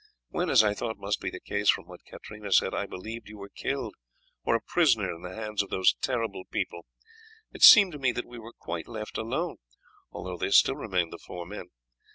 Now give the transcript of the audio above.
When, as I thought must be the case from what Katarina said, I believed you were killed or a prisoner in the hands of those terrible people, it seemed to me that we were quite left alone, although there still remained the four men.